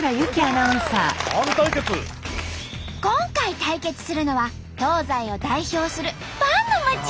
今回対決するのは東西を代表するパンの街。